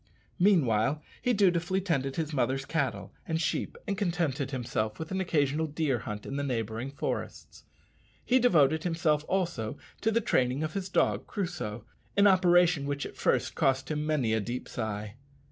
Meanwhile he dutifully tended his mother's cattle and sheep, and contented himself with an occasional deer hunt in the neighbouring forests. He devoted himself also to the training of his dog Crusoe an operation which at first cost him many a deep sigh.